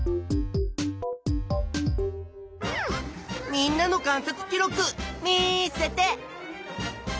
みんなの観察記録見せて！